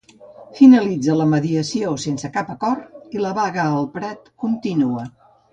Finalitza la mediació sense cap acord i la vaga al Prat continua.